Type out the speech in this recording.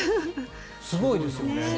すごいですよね。